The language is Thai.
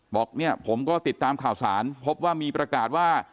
บอกเนี่ยผมก็ติดตามข่าวสารพบว่ามีประกาศว่า